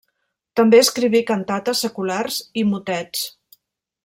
També escriví cantates seculars i motets.